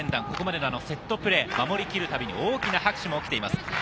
ここまでのセットプレー、守り切るたびに大きな拍手も起きています。